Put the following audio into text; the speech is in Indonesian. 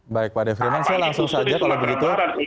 baik pak defrinan saya langsung saja kalau begitu